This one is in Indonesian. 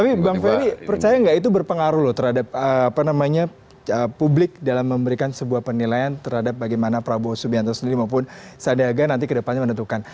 tapi bang ferry percaya nggak itu berpengaruh loh terhadap publik dalam memberikan sebuah penilaian terhadap bagaimana prabowo subianto sendiri maupun sandiaga nanti ke depannya menentukan